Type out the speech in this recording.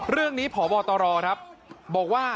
เรื่องนี้พบตรบอกว่า